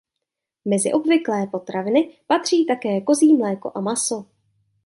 Mezi obvyklé potraviny patří také kozí mléko a maso.